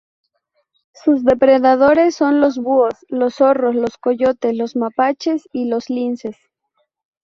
Sus depredadores son los búhos, los zorros, los coyotes, los mapaches y los linces.